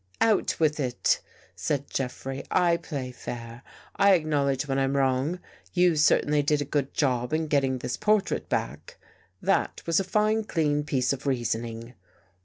"Out with it!" said Jeffrey. "I play fair. I acknowledge when I'm wrong. You certainly did a good job in getting this portrait back. That was a fine clean piece of reasoning."